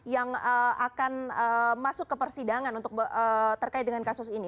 yang akan masuk ke persidangan untuk terkait dengan kasus ini